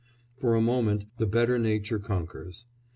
For a moment the better nature conquers.